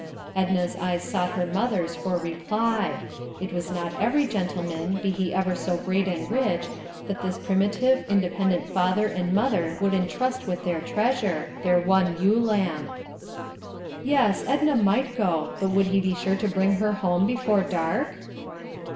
Edna's eyes sought her mother's for reply. It was not every gentleman, be he ever so great and rich, that this primitive, independent father and mother would entrust with their treasure, their one ewe lamb. "Yes. Edna might go, but he would be sure to bring her home before dark?"